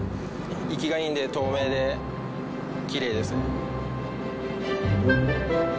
生きがいいんで透明できれいですね。